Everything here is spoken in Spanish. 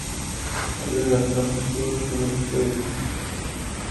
Alberga el actual museo arqueológico y etnográfico, propiedad del Ayuntamiento de Arrecife.